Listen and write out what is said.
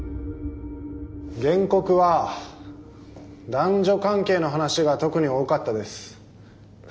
原告は男女関係の話が特に多かったです。